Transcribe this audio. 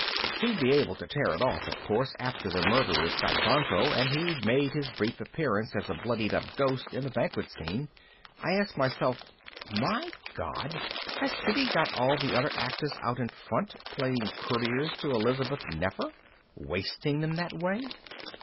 He'd be able to tear it off, of course, after the Murderers got Banquo and he'd made his brief appearance as a bloodied up ghost in the Banquet Scene. I asked myself, _My God, has Siddy got all the other actors out in front playing courtiers to Elizabeth Nefer? Wasting them that way?